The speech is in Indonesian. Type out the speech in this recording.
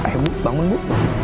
eh bu bangun bu